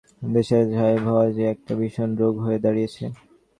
তোদের দেশে সাহেব হওয়া যে একটা বিষম রোগ হয়ে দাঁড়িয়েছে।